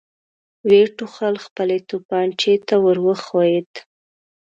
ويې ټوخل، خپلې توپانچې ته ور وښويېد.